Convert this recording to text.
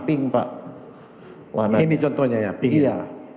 ini contohnya ya